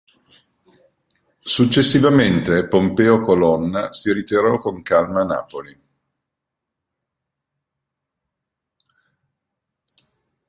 Successivamente Pompeo Colonna si ritirò con calma a Napoli.